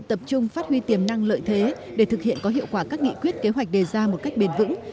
tập trung phát huy tiềm năng lợi thế để thực hiện có hiệu quả các nghị quyết kế hoạch đề ra một cách bền vững